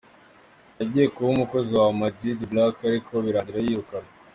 Yagiye kuba umukozi wa Ama G The Black ariko birangira yirukanwe.